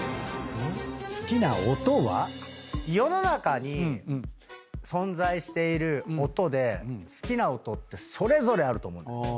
世の中に存在している音で好きな音ってそれぞれあると思うんです。